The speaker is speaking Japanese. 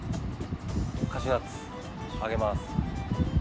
◆カシューナッツ、揚げます。